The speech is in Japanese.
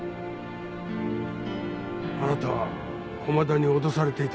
あなたは駒田に脅されていた。